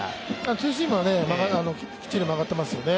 ツーシームは、きっちり曲がっていますよね。